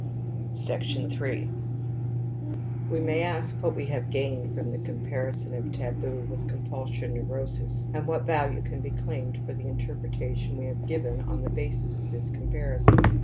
3 We may ask what we have gained from the co mparison of taboo with compulsion neurosis an3 what value can be claimed for the interpre tation we have given on the basis of this com parison